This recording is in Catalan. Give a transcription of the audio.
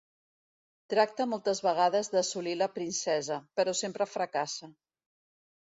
Tracta moltes vegades d'assolir la princesa, però sempre fracassa.